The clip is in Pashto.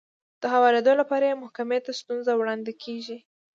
د هوارېدو لپاره يې محکمې ته ستونزه وړاندې کېږي.